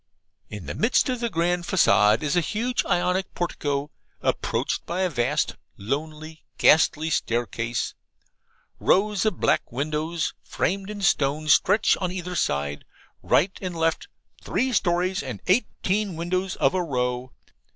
In the midst of the grand facade is a huge Ionic portico, approached by a vast, lonely, ghastly staircase. Rows of black windows, framed in stone, stretch on either side, right and left three storeys and eighteen windows of a row.